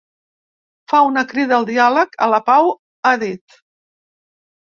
Fa una crida al diàleg, a la pau, ha dit.